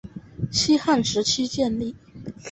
西汉时期建立。